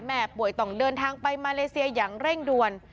แม่ป่วยต้องเดินทางไปมาเลเซียอย่างเร่งด่วน